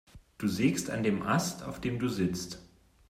Du sägst an dem Ast, auf dem du sitzt.